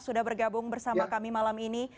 sudah bergabung bersama kami malam ini